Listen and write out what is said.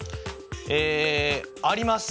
えあります。